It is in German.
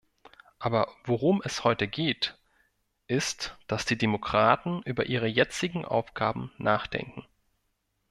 Aber worum es heute geht, ist, dass die Demokraten über ihre jetzigen Aufgaben nachdenken.